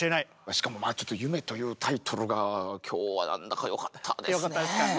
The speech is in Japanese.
しかもちょっと「夢」というタイトルが今日は何だかよかったですね。